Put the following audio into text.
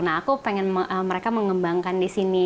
nah aku pengen mereka mengembangkan di sini